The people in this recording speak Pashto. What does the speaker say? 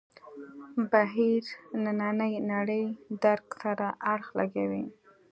بهیر نننۍ نړۍ درک سره اړخ لګوي.